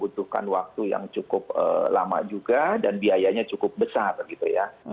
itu alat langsung kita mau mengesankan si biaya dalam auspisa sebelumnya